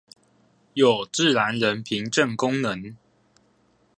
有自然人憑證功能